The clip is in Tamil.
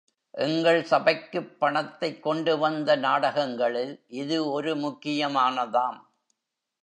எங்கள் சபைக்குப் பணத்தைக் கொண்டு வந்த நாடகங்களில் இது ஒரு முக்கியமானதாம்.